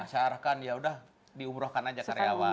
saya arahkan ya udah diumrahkan aja karyawan